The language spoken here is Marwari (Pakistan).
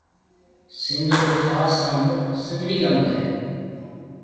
سنڌ رو خاص انڀ سنڌڙِي انڀ هيَ۔